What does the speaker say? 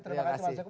terima kasih mas yoko